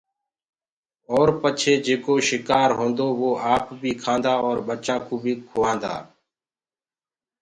اور پچي جيڪو شڪآر هوندو وو آپ بي کآندآ اور ٻچآنٚ ڪوُ بي کُوآندآ۔